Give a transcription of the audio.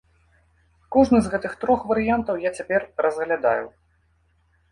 Кожны з гэтых трох варыянтаў я цяпер разглядаю.